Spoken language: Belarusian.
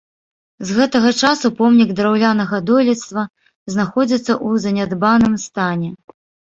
З гэтага часу помнік драўлянага дойлідства знаходзіцца ў занядбаным стане.